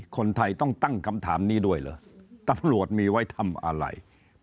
คนไทยต้องตั้งคำถามนี้ด้วยเหรอตำรวจมีไว้ทำอะไร